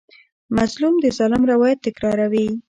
مظلوم د ظالم روایت تکراروي.